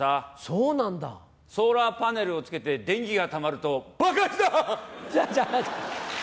ソーラーパネルをつけて電気がたまると、爆発だ！